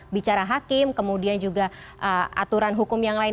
bicara hakim kemudian juga aturan hukum yang lain